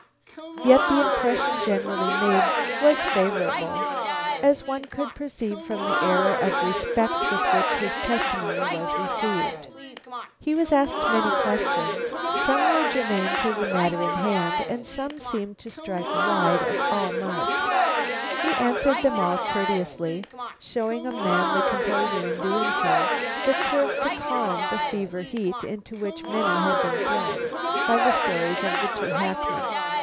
Yet the impression generally made was favorable, as one could perceive from the air of respect with which his testimony was received. He was asked many questions. Some were germane to the matter in hand and some seemed to strike wide of all mark. He answered them all courteously, showing a manly composure in doing so, that served to calm the fever heat into which many had been thrown by the stories of the two hackmen.